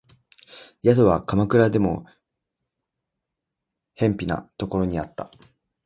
宿は鎌倉でも辺鄙なところにあった